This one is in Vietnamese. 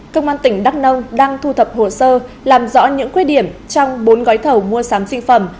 công an tỉnh đắk nông đang thu thập hồ sơ làm rõ những khuyết điểm trong bốn gói thầu mua sắm sinh phẩm